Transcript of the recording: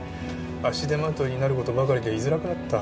足手まといになる事ばかりでいづらくなった。